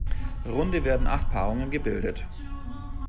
Runde werden acht Paarungen gebildet.